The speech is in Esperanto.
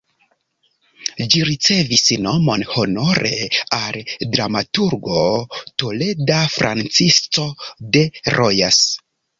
Ĝi ricevis nomon honore al la dramaturgo toleda Francisco de Rojas.